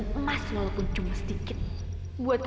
kamu duluan disana